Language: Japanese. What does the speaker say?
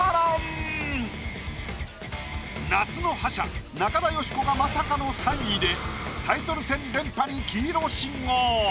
夏の覇者中田喜子がまさかの３位でタイトル戦連覇に黄色信号。